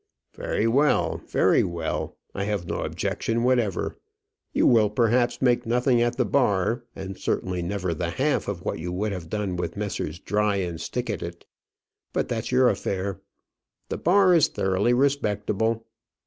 "Very well, very well. I have no objection whatever. You will perhaps make nothing at the bar, and certainly never the half what you would have done with Messrs. Dry and Stickatit. But that's your affair. The bar is thoroughly respectable.